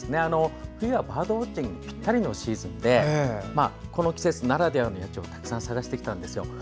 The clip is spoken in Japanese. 冬はバードウォッチングにぴったりのシーズンでこの季節ならではの野鳥をたくさん探してきたんですよ。